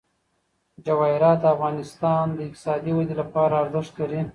جواهرات د افغانستان د اقتصادي ودې لپاره ارزښت لري.